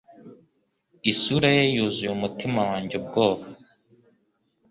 isura ye yuzuye umutima wanjye ubwoba